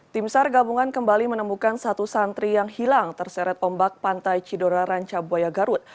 tim sar gabungan kembali menemukan satu santri yang hilang terseret ombak pantai cidora ranca buaya garut